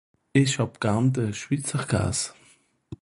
esch hàb garn de schwitzerkaas